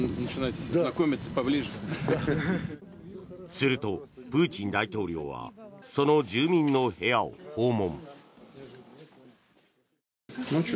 すると、プーチン大統領はその住民の部屋を訪問。